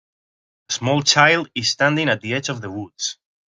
A small child is standing at the edge of the woods.